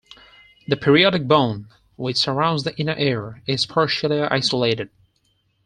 The periotic bone, which surrounds the inner ear, is partially isolated.